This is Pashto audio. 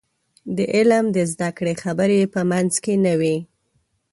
د علم د زده کړې خبرې په منځ کې نه وي.